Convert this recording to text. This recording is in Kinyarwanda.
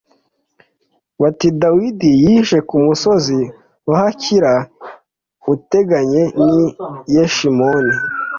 bati Dawidi yihishe ku musozi wa Hakila i uteganye n i Yeshimoni